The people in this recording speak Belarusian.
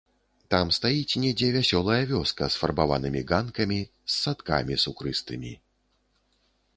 Там стаіць недзе вясёлая вёска з фарбаванымі ганкамі, з садкамі сукрыстымі.